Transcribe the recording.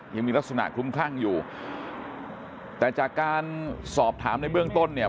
ยังมีลักษณะคลุมคลั่งอยู่แต่จากการสอบถามในเบื้องต้นเนี่ย